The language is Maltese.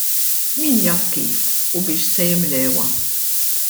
Min jaf kif u biex se jimlewha!